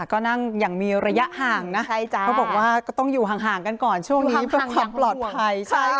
ก็นั่งอย่างมีระยะห่างนะเขาบอกว่าก็ต้องอยู่ห่างกันก่อนช่วงนี้เพื่อความปลอดภัย